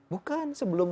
bukan sebelum ini